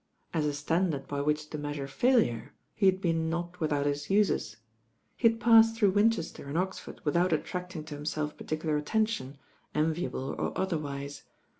As a standard by which to measure failure, he had been not without his uses. He had passed through Winchester and Oxford without attracting to him self particular attention, enviable or otherwise.